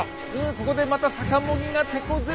ここでまたさかも木がてこずる。